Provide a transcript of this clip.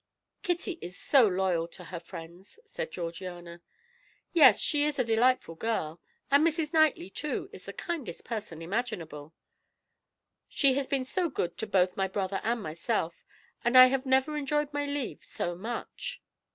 "Kitty is so loyal to her friends," said Georgiana. "Yes, she is a delightful girl, and Mrs. Knightley, too, is the kindest person imaginable. She has been so good to both my brother and myself, and I have never enjoyed my leave so much."